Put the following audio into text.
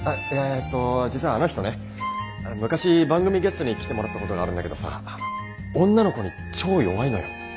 いやえっと実はあの人ね昔番組ゲストに来てもらったことがあるんだけどさ女の子に超弱いのよ。